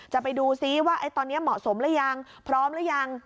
จะไปดูซิว่าตอนนี้เหมาะสมหรือยังพร้อมหรือยัง